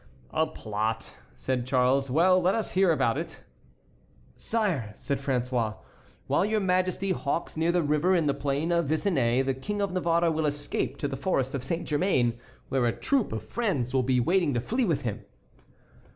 "A plot?" said Charles, "well, let us hear about it." "Sire," said François, "while your Majesty hawks near the river in the plain of Vesinet the King of Navarre will escape to the forest of Saint Germain, where a troop of friends will be waiting to flee with him."